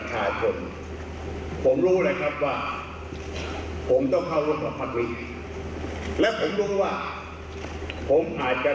จะต้องตั้งรับการเมืองของประชาชน